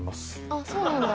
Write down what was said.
あっそうなんだ。